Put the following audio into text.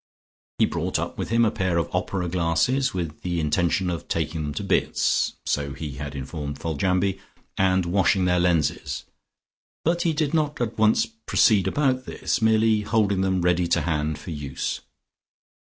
He had brought up with him a pair of opera glasses, with the intention of taking them to bits, so he had informed Foljambe, and washing their lenses, but he did not at once proceed about this, merely holding them ready to hand for use.